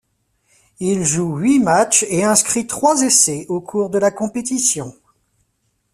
Il joue huit matches et inscrit trois essais au cours de la compétition.